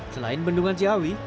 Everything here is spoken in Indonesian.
selain bendungan ciawi